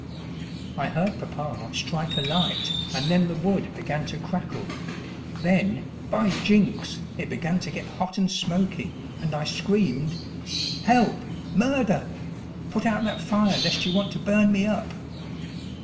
I heard papa strike a light and then the wood began to crackle. Then, by jinks! it began to get hot and smoky and I screamed: "Help! Murder! Put out that fire lest you want to burn me up!"